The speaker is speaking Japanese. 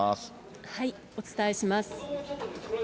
お伝えします。